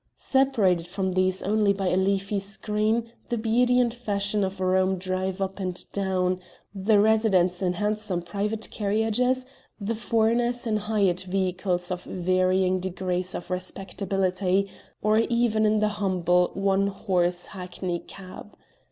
Separated from these only by a leafy screen the beauty and fashion of Rome drive up and down the residents in handsome private carriages, the foreigners in hired vehicles of varying degrees of respectability, or even in the humble, one horse, hackney cab.